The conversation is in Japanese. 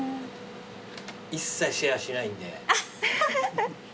一切シェアしないんで。